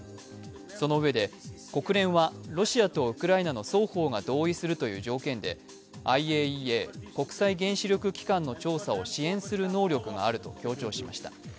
そのうえで国連はロシアとウクライナの双方が同意するという条件でＩＡＥＡ＝国際原子力機関の調査を支援する能力があると強調しました。